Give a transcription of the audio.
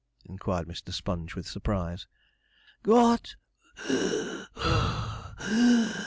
inquired Mr. Sponge, with surprise. 'Got!